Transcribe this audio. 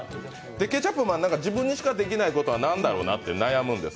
ケチャップマン、自分にしかできないことは何だろうなと悩むんです。